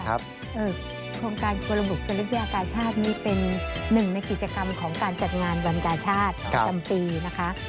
โครงการกลบุคลิกยากาชาตินี่เป็นหนึ่งในกิจกรรมของการจัดงานวันกาชาติจำปีนะคะ